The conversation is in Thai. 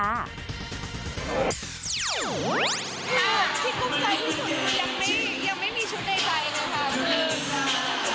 ที่กลุ่มใจที่สุดคือยังไม่มีชุดในใจค่ะ